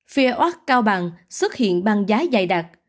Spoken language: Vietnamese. phía oác cao bằng xuất hiện băng giá dài đặc